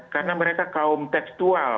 karena mereka kaum tekstual